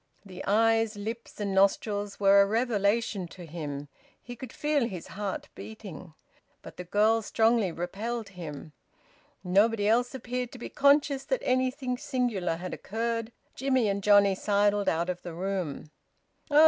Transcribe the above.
The eyes, lips, and nostrils were a revelation to him. He could feel his heart beating. But the girl strongly repelled him. Nobody else appeared to be conscious that anything singular had occurred. Jimmie and Johnnie sidled out of the room. "Oh!